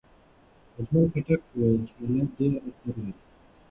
اجمل خټک وویل چې حالات ډېر اثر لري.